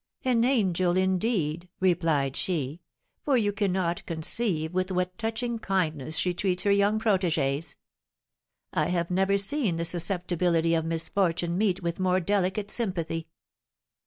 "An angel, indeed!" replied she, "for you cannot conceive with what touching kindness she treats her young protégées. I have never seen the susceptibility of misfortune meet with more delicate sympathy.